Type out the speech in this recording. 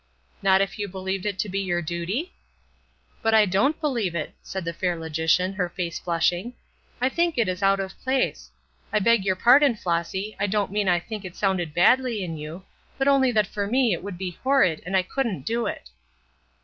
"Not if you believed it to be your duty?" "But I don't believe it," said the fair logician, her face flushing; "I think it is out of place. I beg your pardon, Flossy, I don't mean I think it sounded badly in you; but only that for me it would be horrid, and I couldn't do it."